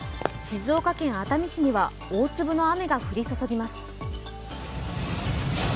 静岡県熱海市には大粒の雨が降り注ぎます。